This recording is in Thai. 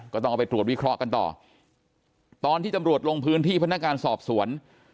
ก็ต้องเอาไปตรวจวิเคราะห์กันต่อตอนที่ตำรวจลงพื้นที่พนักงานสอบสวน